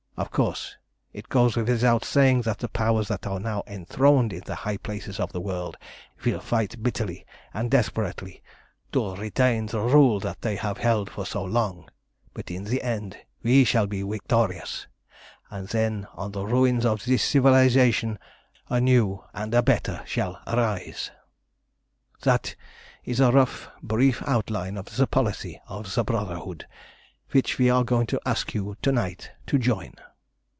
"Of course, it goes without saying that the powers that are now enthroned in the high places of the world will fight bitterly and desperately to retain the rule that they have held for so long, but in the end we shall be victorious, and then on the ruins of this civilisation a new and a better shall arise. "That is a rough, brief outline of the policy of the Brotherhood, which we are going to ask you to night to join.